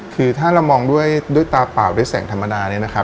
คือถ้าเรามองด้วยตาเปล่าด้วยแสงธรรมดา